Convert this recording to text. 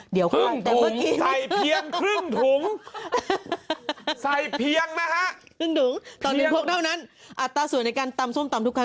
เดี๋ยวก็ได้อยู่ในเมื่อกี๊อีกรอบครั้งเน่งถุงฟะเน่งถุง